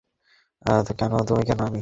তুমি কোন আমি?